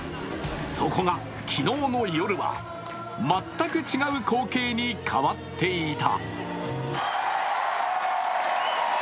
そこが昨日の夜は全く違う光景に変わっていた。